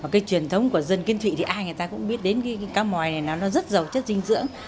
cái truyền thống của dân kiên thủy thì ai người ta cũng biết đến cái cá mòi này nó rất giàu chất dinh dưỡng